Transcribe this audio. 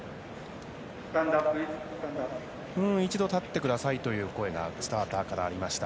一度立ってくださいという声がスターターからありました。